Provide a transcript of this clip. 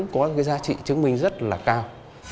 có giá trị chứng minh rất là cao